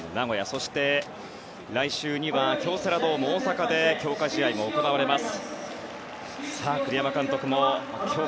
そして来週には京セラドーム大阪で強化試合も行われます。